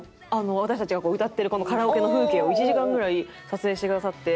私たちが歌ってるカラオケの風景を１時間ぐらい撮影してくださって。